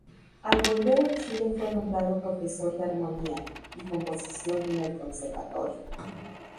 Al volver a Chile fue nombrado profesor de Armonía y Composición en el Conservatorio.